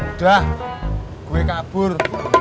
udah gue kabur